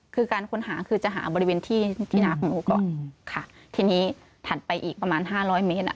คือการค้นหาคือจะหาบริเวณที่ที่นาของหนูก่อนค่ะทีนี้ถัดไปอีกประมาณห้าร้อยเมตรอ่ะ